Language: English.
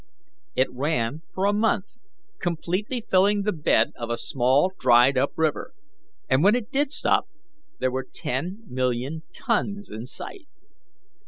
It ran for a month, completely filling the bed of a small, dried up river, and when it did stop there were ten million tons in sight.